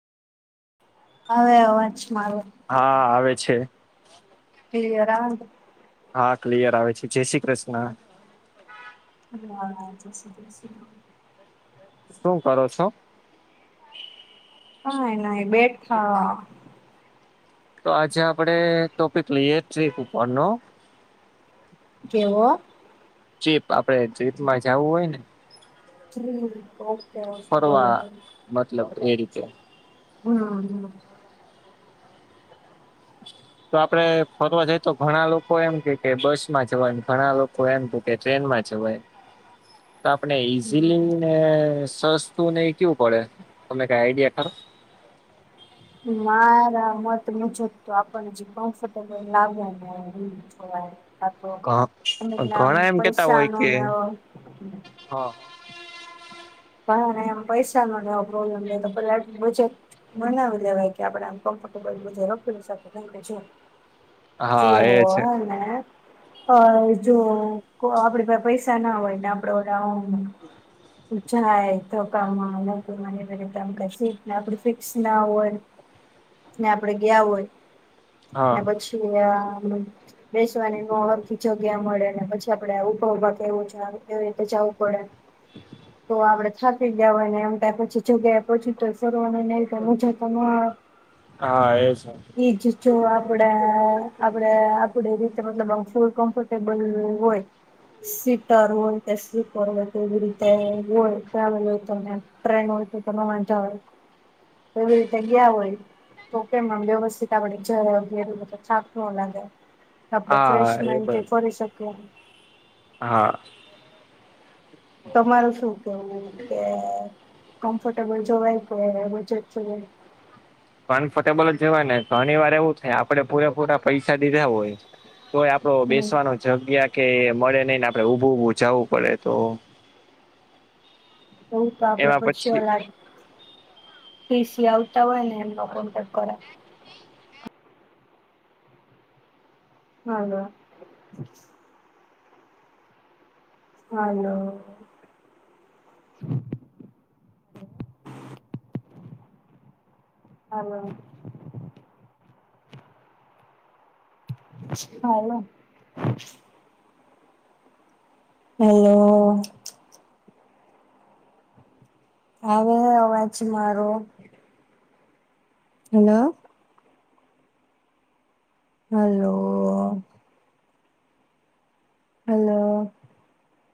આવે અવાજ મારો? હા આવે છે. ક્લીયર આવે ન? હા ક્લિયર આવે છે. જય શ્રી કૃષ્ણ હા જય શ્રી કૃષ્ણ. શું કરો છો? કાંઈ નહિ બેઠા. તો આજે આપણે ટોપિક લઈએ ટ્રીપ ઉપરનો. કેવો? ચીપ આપડે ટ્રિપમાં જાવું હોય ને? હમ [inaudible] ફરવા મતલબ એ રીતે હહ હહ તો આપડે ફરવા જઈ તો ઘણા લોકો એમ કે કે બસમાં જવાય ને ઘણા લોકો એમ કે કે ટ્રેનમાં જવાય. તો આપને હમ ઈઝીલી ને સસ્ તુંને ઈ કેવું પડે તમને કાઈ આઈડિયા ખરો? મારા મત મુજબ તો આપણને જે કમ્ફર્ટેબલ લાગે ને તો ઈજ જોવાય આતો એમજ ઘ ને આમ ઘણા એમ પૈસાનો ને એવો હહ ઘણાને એમ પૈસાનો ને એવો પ્રોબ્લેમ હોય તો પહેલા [inaudible] બનાવી લેવાય કે આપણે આમ કમ્ફર્ટેબલ મુજબ [inaudible] હા એ જુવો છે હેને અ જુવો કો આપણી પાહે પૈસા ના હોય ને આપણે ઓલા આમ જાય ધક્કામાં મૂકીમાં ને એવી રીતે આમ કાંઈ સીટને આપણી ફિક્સ ના હોય. ને આપડે ગયા હોય હા ને પછી આ બેસવાની નો હરખી જગ્યા મળે ને પછ કે આપડે આ ઉભા ઉભા કે એવું જાવ એવી રીતે જાવું પડે. તો આપડે થાકી ગયા હોય ને એમ કાંઈ પૂછી જગ્યાએ પહોંચી તોય ફરવામાં ને એવી કાંઈ મૂંઝાતા નો હા એ છે આવ ઈ જ જો આપણા આપણા આપડી રીતે મતલબ આમ ફૂલ કમ્ફર્ટેબલ હોય સીતારું ને કે સી ફરવું કેવી રીતે? હોય ટ્રાવેલ હોય તો તમે ટ્રેન હોય તો તમે વાંધો આવે? થોડી જગ્યા હોય. તો કેમમ વ્યવસ્થિત બડે જ વગે ચાક નું અ લગે આપડે હા એ ફ્રેશમેન્ટ બ ફરી શકીએ હા તમારું શું કેવું કે કમ્ફર્ટેબલ જવાય કે બજેટ જોવાય? કમ્ફર્ટેબલ જ જવાય ને ઘણી વાર એવું થાય આપડે પૂરેપૂરા પૈસા દીધા હોય તોય આપ તો હમ બેસવાનો જગ્યા કે મળે નહી ને આપડે ઉભું ઉભું જાવું પડે તો બું તો આપડે પછી લ કેસીી આવતા હોય ને એમનો કોન્ટેક કર હ હનું હ હાલો હલો હવે અવાચી મારોો હલો હલ્ હલો